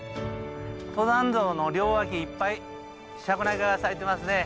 登山道の両脇いっぱいシャクナゲが咲いてますね。